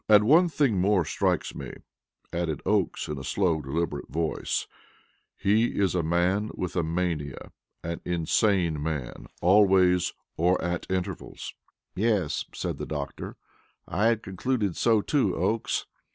"And one thing more strikes me," added Oakes in a slow, deliberate voice, "he is a man with a mania an insane man always, or at intervals." "Yes," said the doctor. "I had concluded so too, Oakes.